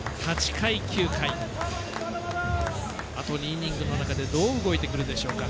８回、９回あと２イニングの中でどう動いてくるでしょうか。